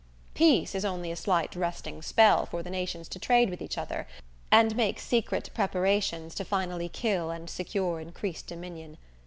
Peace is only a slight resting spell for the nations to trade with each other and make secret preparations to finally kill and secure increased dominion.